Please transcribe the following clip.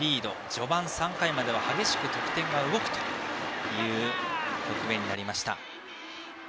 序盤、３回までは激しく得点が動く局面になりました。